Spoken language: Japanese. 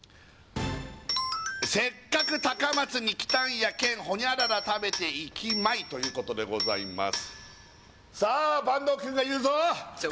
せっかく高松に来たんやけん」「○○食べて行きまい！」ということでございます